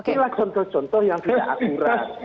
itu lah contoh contoh yang tidak akurat